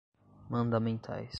mandamentais